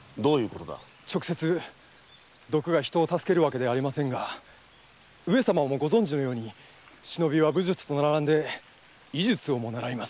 直接毒が人を助けるわけではありませんがご存じのように忍びは武術と並んで医術をも習います。